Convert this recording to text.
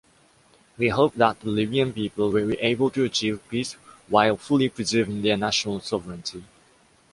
We hope that the Libyan people will be able to achieve peace while fully preserving their national sovereignty.